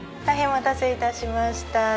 大変お待たせ致しました。